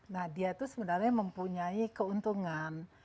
nah dia itu sebenarnya mempunyai keuntungan